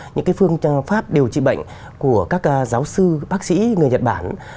những cái phương pháp điều trị bệnh của các giáo sư bác sĩ người nhật bản